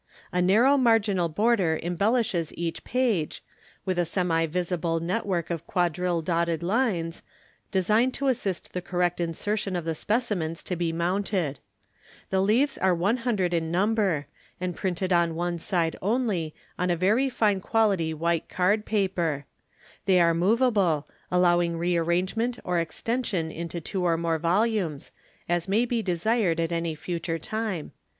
A narrow marginal border embellishes each page, with a semi visible network of quadrillé dotted lines, designed to assist the correct insertion of the specimens to be mounted. The leaves are 100 in number, and printed on one side only, on a very fine quality white card paper. They are movable, allowing rearrangement or extension into two or more volumes, as may be desired at any future time.